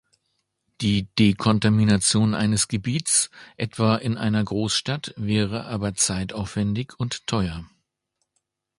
Die Dekontamination eines Gebiets etwa in einer Großstadt wäre aber zeitaufwändig und teuer.